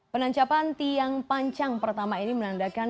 penancapan tiang pancang pertama ini menandakan